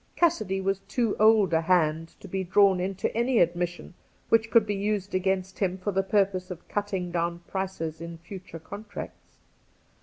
Cassidy was, too old a hand to be drawn into any admission which could be used against him for the purpose of cutting down prices in future contracts.